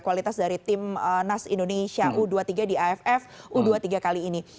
kualitas dari tim nas indonesia u dua puluh tiga di aff u dua puluh tiga kali ini